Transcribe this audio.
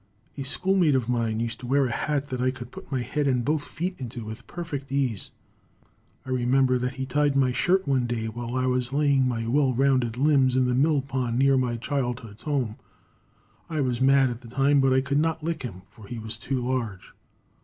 A schoolmate of mine used to wear a hat that I could put my head and both feet into with perfect ease. I remember that he tied my shirt one day while I was laying my well rounded limbs in the mill pond near my childhood's home. I was mad at the time, but I could not lick him, for he was too large.